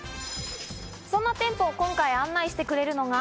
そんな店舗を今回案内してくれるのが。